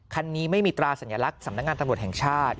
คันนี้ไม่มีตราสัญลักษณ์สำนักงานตำรวจแห่งชาติ